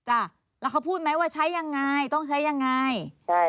จ้ะแล้วเขาพูดไหมว่าใช้อย่างไรต้องใช้อย่างไร